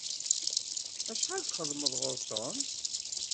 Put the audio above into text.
Acḥal txedmeḍ ɣur Tom?